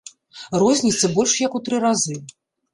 Розніца больш як у тры разы.